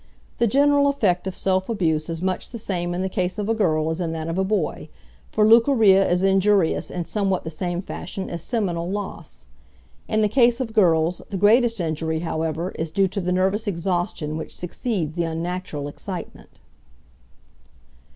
The general effect of self abuse is much the same in the case of a girl as in that of a boy, for leucorrhea is injurious in somewhat the same fashion as seminal loss. In the case of girls the greatest injury, however, is due to the nervous exhaustion which succeeds the unnatural excitement.